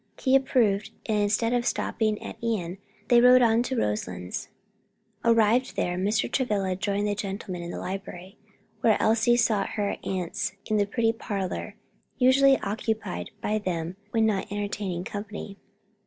He approved, and instead of stopping at Ion they rode on to Roselands. Arrived there, Mr. Travilla joined the gentlemen in the library, while Elsie sought her aunts in the pretty parlor usually occupied by them when not entertaining company.